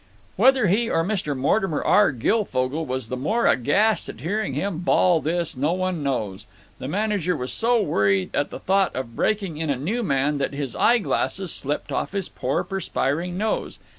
Whether he or Mr. Mortimer R. Guilfogle was the more aghast at hearing him bawl this no one knows. The manager was so worried at the thought of breaking in a new man that his eye glasses slipped off his poor perspiring nose.